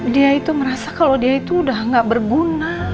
dia itu merasa kalau dia itu udah gak berguna